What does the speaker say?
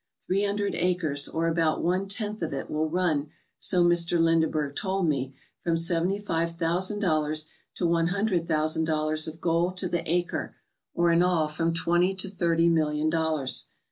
Three hundred acres, or about one tenth of it, will run, so Mr. Lindeberg told me, from seventy five thousand dollars to one hundred thousand dollars of gold to the acre, or in all from twenty to thirty million dollars.